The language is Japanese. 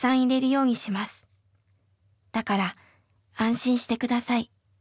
だから安心して下さい。